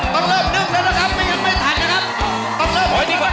ต้องเริ่มนึ่งแล้วนะครับยังไม่ทันนะครับ